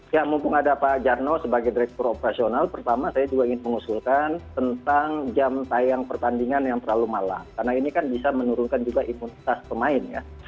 ya mumpung ada pak jarno sebagai direktur operasional pertama saya juga ingin mengusulkan tentang jam tayang pertandingan yang terlalu malam karena ini kan bisa menurunkan juga imunitas pemain ya